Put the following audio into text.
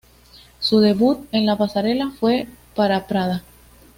Su debut en la pasarela fue para Prada.